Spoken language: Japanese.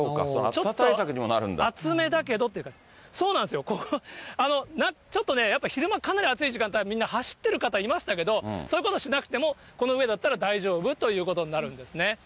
ちょっと熱めだけど、そうなんですよ、ちょっとね、昼間かなり暑い時間帯、みんな走ってる方いましたけど、そういうことをしなくても、この上だったら大丈夫ということになるんですね。